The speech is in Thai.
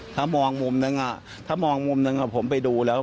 ถ้ามองมุมนึงถ้ามองมุมหนึ่งผมไปดูแล้ว